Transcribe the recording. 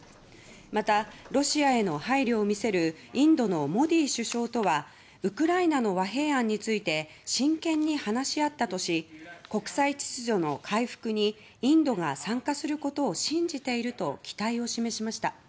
また、ロシアへの配慮を見せるインドのモディ首相とはウクライナの和平案について真剣に話し合ったとし国際秩序の回復にインドが参加することを信じていると期待を示しました。